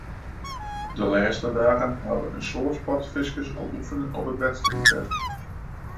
De lêste dagen hawwe in soad sportfiskers al oefene op it wedstriidwetter.